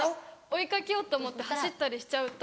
追いかけようと思って走ったりしちゃうと。